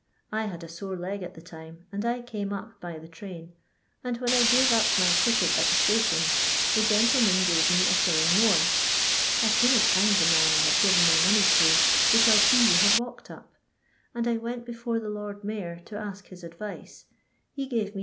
I had a sore leg at the tine, and I came up by the trdn, and when I gate np nr ticket at the station, the gentleflttn gftve ne a aUuing more. I couldn't find the man I had given my money to, because he had walked up ; and I went befim the Lord Mayor to ask his advice ; he gavt ae 2r.